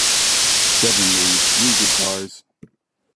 Devin Lee, lead guitars.